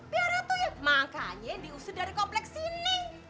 biarnya tuyul makanya diusir dari kompleks ini